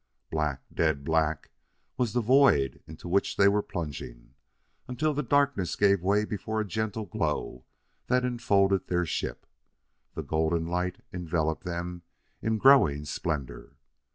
Black dead black was the void into which they were plunging, until the darkness gave way before a gentle glow that enfolded their ship. The golden light enveloped them in growing splendor.